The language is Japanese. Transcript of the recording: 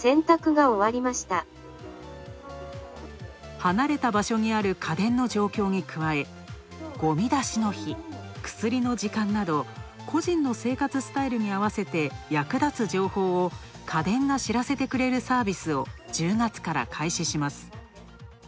離れた場所にある家電の状況に加え、ゴミ出しの日、薬の時間など、個人の生活スタイルに合わせて役立つ情報を家電が知らせてくれるサービスを１０月から開始します。